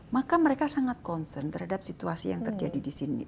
maka mereka sangat concern terhadap situasi yang terjadi di sini